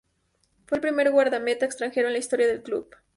Fue el primer guardameta extranjero en la historia del club.